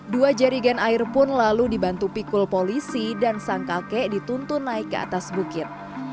dua jerigen air pun lalu dibantu pikul polisi dan sang kakek dituntun naik ke atas bukit